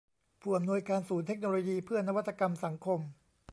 ผู้อำนวยการศูนย์เทคโนโลยีเพื่อนวัตกรรมสังคม